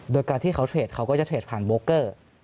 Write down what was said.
โดยการที่เขาเทรดเขาก็จะเทรดผ่านโบกเกอร์